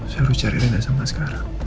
saya harus cari ren sama sekarang